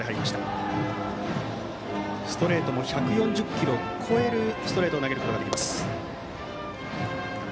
１４０キロを超えるストレートを投げることができます。